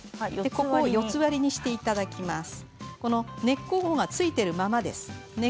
根っこごと４つ割りにしていただきます。